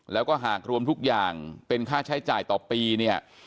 แล้วก็หากรวมทุกอย่างเป็นค่าใช้จ่ายต่อปีเนี่ย